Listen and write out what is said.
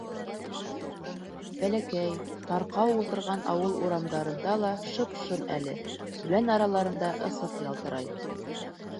Бәләкәй, тарҡау ултырған ауыл урамдарында ла шып-шым әле, үлән араларында ысыҡ ялтырай.